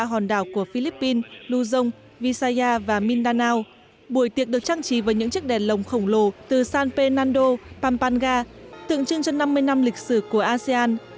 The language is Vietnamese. các nhà lãnh đạo của philippines luzon visaya và mindanao buổi tiệc được trang trí với những chiếc đèn lồng khổng lồ từ san fernando pampanga tượng trưng cho năm mươi năm lịch sử của asean